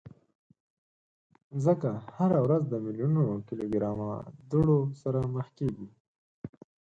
مځکه هره ورځ د میلیونونو کیلوګرامه دوړو سره مخ کېږي.